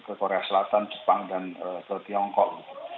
ke korea selatan jepang dan ke tiongkok